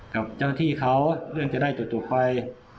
กับเจ้าที่เขาเรื่องจะได้จบไป